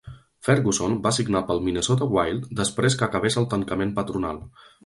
Ferguson va signar pel Minnesota Wild després que acabés el tancament patronal.